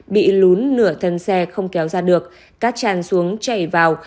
bị lún nửa thân xe không kéo ra được cát tràn xuống chảy vào